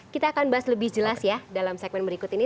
kita akan bahas lebih jelas ya dalam segmen berikut ini